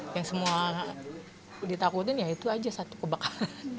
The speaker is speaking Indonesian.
yang semua ditakutin ya itu aja satu kebakaran